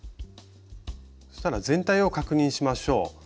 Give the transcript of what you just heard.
そしたら全体を確認しましょう。